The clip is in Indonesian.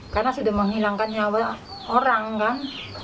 karena sudah menghilangkan nyawa orang kan